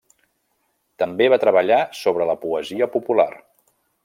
També va treballar sobre la poesia popular.